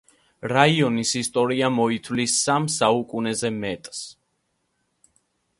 რაიონის ისტორია მოითვლის სამ საუკუნეზე მეტს.